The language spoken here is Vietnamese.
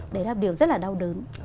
đấy là điều rất là đau đớn